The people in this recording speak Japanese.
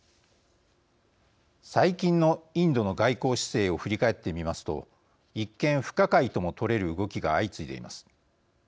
最近のインドの外交姿勢を振り返ってみますと一見、不可解とも取れる動きが相次いでいます。